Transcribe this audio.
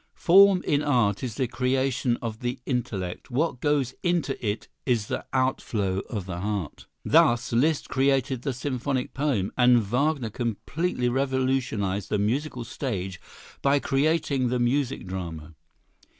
Form in art is the creation of the intellect; what goes into it is the outflow of the heart. Thus Liszt created the Symphonic Poem, and Wagner completely revolutionized the musical stage by creating the Music Drama.